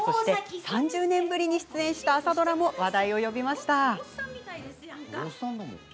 ３０年ぶりに出演した朝ドラも話題を呼びました。